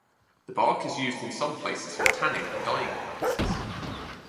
The bark is used in some places for tanning and dyeing purposes.